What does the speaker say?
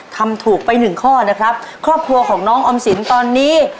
ทำถูกไปหนึ่งข้อนะครับครอบครัวของน้องออมสินตอนนี้